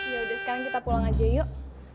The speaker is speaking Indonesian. yaudah sekarang kita pulang aja yuk